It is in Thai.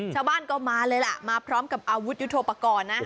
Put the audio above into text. ชาวบ้านก็มาเลยล่ะมาพร้อมกับอาวุธยุทธโปรกรณ์นะ